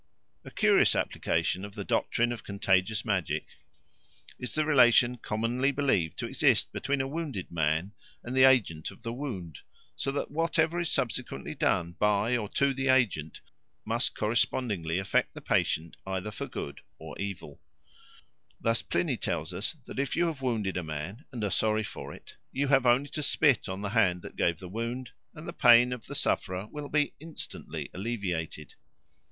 A curious application of the doctrine of contagious magic is the relation commonly believed to exist between a wounded man and the agent of the wound, so that whatever is subsequently done by or to the agent must correspondingly affect the patient either for good or evil. Thus Pliny tells us that if you have wounded a man and are sorry for it, you have only to spit on the hand that gave the wound, and the pain of the sufferer will be instantly alleviated.